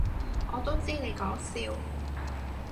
我都知你講笑